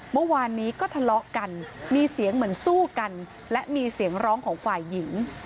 เมื่อวานนี้ก็ทะเลาะกันมีเสียงเหมือนสู้กันและมีเสียงร้องของฝ่ายหญิง